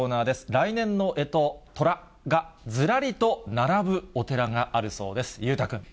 来年のえと、寅がずらりと並ぶお寺があるそうです。